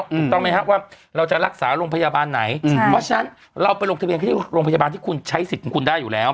ถูกต้องไหมครับว่าเราจะรักษาโรงพยาบาลไหนเพราะฉะนั้นเราไปลงทะเบียนเขาที่โรงพยาบาลที่คุณใช้สิทธิ์ของคุณได้อยู่แล้ว